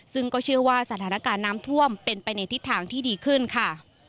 ซึ่งก็เชื่อว่าสถานการณ์น้ำท่วมเป็นไปในทิศทางที่ดีขึ้นค่ะ